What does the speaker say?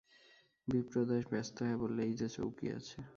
বিপ্রদাস ব্যস্ত হয়ে বললে, এই যে চৌকি আছে।